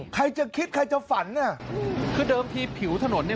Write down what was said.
ใครจะคิดใครจะฝันน่ะคือเดิมทีผิวถนนเนี่ย